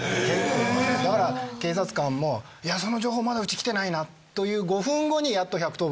だから警察官も「いやその情報まだうち来てないな」という５分後にやっと１１０番がくるとか。